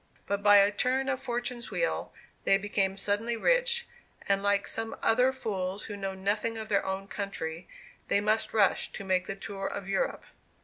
But by a turn of Fortune's wheel they became suddenly rich, and like some other fools who know nothing of their own country, they must rush to make the tour of Europe.